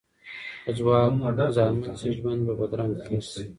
که ځواک زیانمن شي، ژوند به بدرنګ تیر شي.